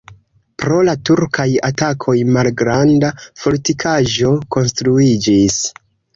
Pro la turkaj atakoj malgranda fortikaĵo konstruiĝis.